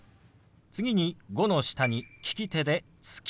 次「５」の下に利き手で「月」。